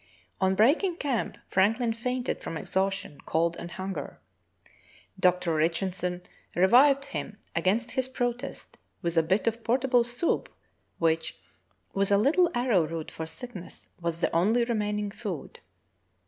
On breaking camp Frank lin fainted from exhaustion, cold, and hunger. Dr. Richardson revived him, against his protest, with a bit of portable soup which, with a little arrow root for sick ness, was the only remaining food.